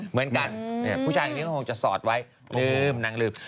เหมือนกันผู้ชายคนนี้ก็คงจะสอดไว้ลืมนางลืม